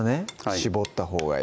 絞ったほうがいい